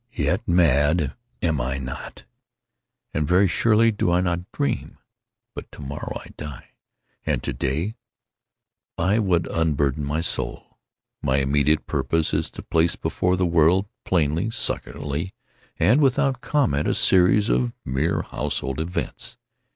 Yet, mad am I not—and very surely do I not dream. But to morrow I die, and to day I would unburthen my soul. My immediate purpose is to place before the world, plainly, succinctly, and without comment, a series of mere household events.